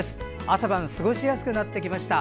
朝晩過ごしやすくなってきました。